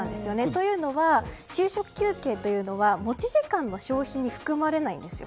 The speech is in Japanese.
というのは昼食休憩は持ち時間の消費に含まれないんですよ。